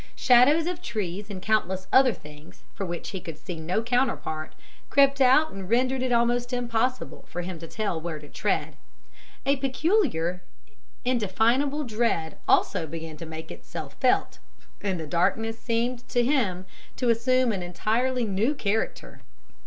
Shadows of trees and countless other things, for which he could see no counterpart, crept out and rendered it almost impossible for him to tell where to tread. A peculiar, indefinable dread also began to make itself felt, and the darkness seemed to him to assume an entirely new character.